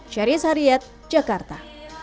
syariz haryat jakarta